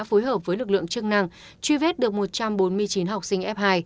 phối hợp với lực lượng chức năng truy vết được một trăm bốn mươi chín học sinh f hai